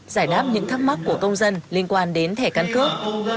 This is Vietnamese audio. giải đáp những thắc mắc của công dân liên quan đến thẻ căn cước